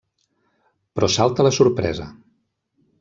Però salta la sorpresa.